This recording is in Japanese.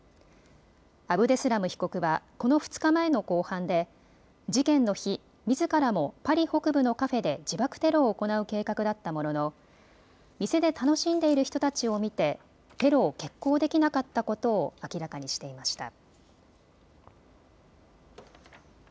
アブデスラム被告はこの２日前の公判で事件の日、みずからもパリ北部のカフェで自爆テロを行う計画だったものの店で楽しんでいる人たちを見てテロを決行できなかったことを明らかにしていました。